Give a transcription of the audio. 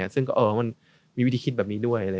ซึ่งก็อ๋อมันมีวิธีคิดแบบนี้ด้วย